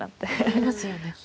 なりますよね。